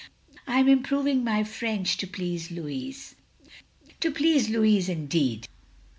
" I am improving my French, to please Louis. " "To please Louis indeed!